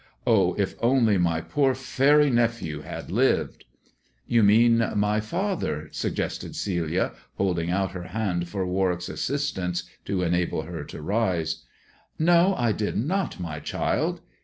" Oh, if only my poor faery nephew had lived I "" You mean my father," suggested Celia, holding out her hand for Warwick's assistance to enable her to rise. No, I did not, child